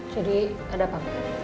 jadi ada apa